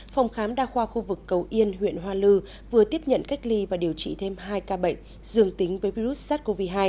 phòng khám đa khoa khu vực cầu yên huyện hoa lư vừa tiếp nhận cách ly và điều trị thêm hai ca bệnh dường tính với virus sars cov hai